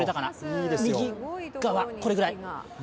右側、これくらい。